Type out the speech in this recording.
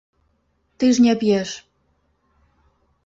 Ты ж не п'еш.